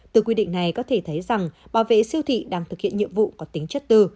từ quy định này có thể thấy rằng bảo vệ siêu thị đang thực hiện nhiệm vụ có tính chất tư